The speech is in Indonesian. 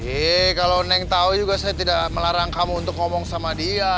eh kalau neng tahu juga saya tidak melarang kamu untuk ngomong sama dia